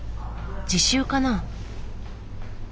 自習かな？